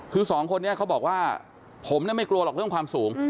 คือสองคนนี้เขาบอกว่าผมไม่กลัวหรอกเรื่องความสูง